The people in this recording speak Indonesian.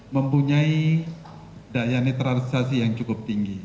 mempunyai daya netralisasi yang cukup tinggi